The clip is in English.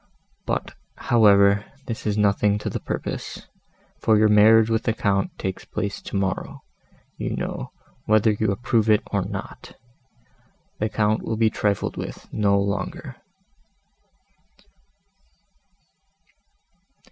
But, however, this is nothing to the purpose—for your marriage with the Count takes place tomorrow, you know, whether you approve it or not. The Count will be trifled with no longer."